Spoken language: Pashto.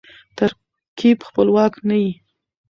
ترکیب خپلواک نه يي.